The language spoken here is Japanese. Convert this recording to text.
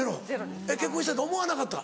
結婚したいと思わなかった？